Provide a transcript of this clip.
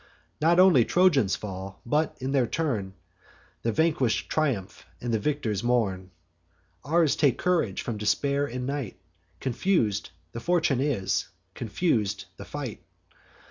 Not only Trojans fall; but, in their turn, The vanquish'd triumph, and the victors mourn. Ours take new courage from despair and night: Confus'd the fortune is, confus'd the fight.